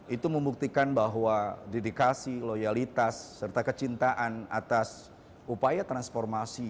itu membuktikan bahwa dedikasi loyalitas serta kecintaan atas upaya transformasi